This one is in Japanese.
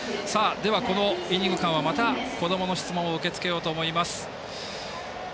このイニング間はまた、こどもの質問を受け付けようと思います。